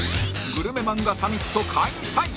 グルメ漫画サミット開催